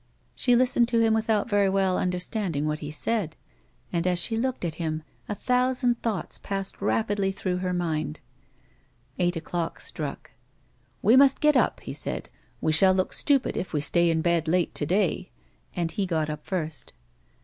She listened to him without very well vmderstand ing what he said, and, as she looked at him, a thousand thoughts passed rapidly through her mind. Eight o'clock struck. " We must get up," he said ;" we shall look stupid if we stay in bed late to day ;" and he got up first.